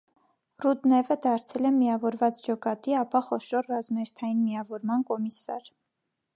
Ռուդնևը դարձել է միավորված ջոկատի, ապա խոշոր ռազմերթային միավորման կոմիսար։